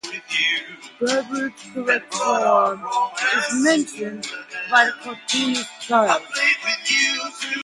"Debrett's Correct Form" is mentioned by the cartoonist Giles.